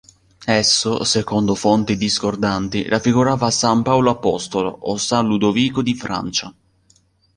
Esso, secondo fonti discordanti raffigurava san Paolo apostolo o san Ludovico di Francia.